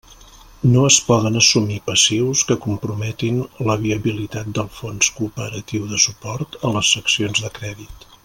No es poden assumir passius que comprometin la viabilitat del Fons cooperatiu de suport a les seccions de crèdit.